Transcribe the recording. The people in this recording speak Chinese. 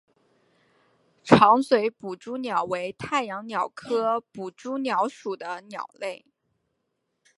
长嘴捕蛛鸟为太阳鸟科捕蛛鸟属的鸟类。